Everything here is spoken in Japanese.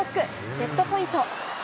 セットポイント。